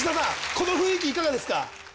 この雰囲気いかがですか？